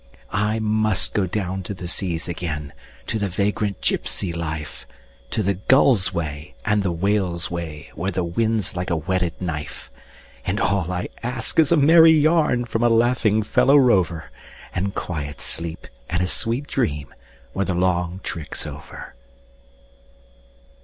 I must go down to the seas again, to the vagrant gypsy life, To the gull's way and the whale's way, where the wind's like a whetted knife; And all I ask is a merry yarn from a laughing fellow rover, And quiet sleep and a sweet dream when the long trick's over.